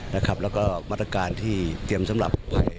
แล้วก็มาตรการที่เตรียมสำหรับ